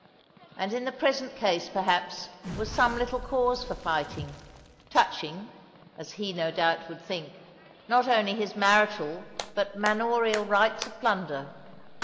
And in the present case, perhaps, was some little cause for fighting; touching (as he no doubt would think) not only his marital but manorial rights of plunder.